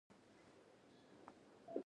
پوخ زړه مهربانه وي